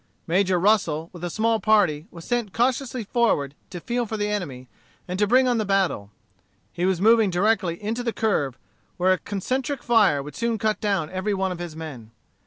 Major Russel, with a small party, was sent cautiously forward to feel for the enemy, and to bring on the battle. He was moving directly into the curve, where a concentric fire would soon cut down every one of his men.